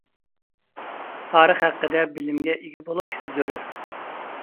تارىخ ھەققىدە بىلىمگە ئىگە بولۇش زۆرۈر.